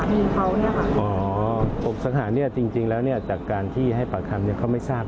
ว่าสามีเขาถูกฆ่าด้วยเรื่องอะไรตอนนี้เขาเองเขาไม่ทราบ